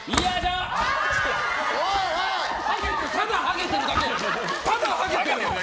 ただハゲてるだけ！